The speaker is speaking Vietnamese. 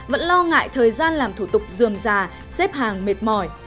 vẫn lo ngại thời gian làm thủ tục dườm già xếp hàng mệt mỏi